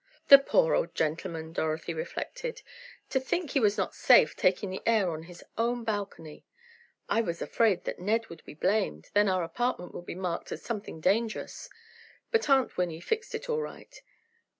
"The poor old gentleman," Dorothy reflected. "To think he was not safe taking the air on his own balcony. I was afraid that Ned would be blamed. Then our apartment would be marked as something dangerous. But Aunt Winnie fixed it all right.